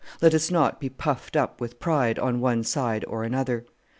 Let us not be puffed up with pride on one side or another.